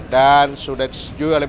dan sudah disetujui oleh